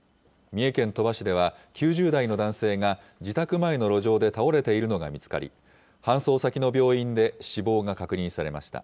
三重県鳥羽市では９０代の男性が自宅前の路上で倒れているのが見つかり、搬送先の病院で死亡が確認されました。